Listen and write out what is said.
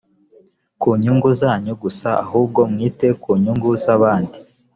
kunyungu zanyu gusa ahubwo mwite ku nyungu z abandi